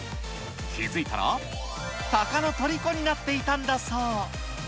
気付いたら、たかのとりこになっていたんだそう。